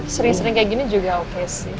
sering sering kayak gini juga oke sih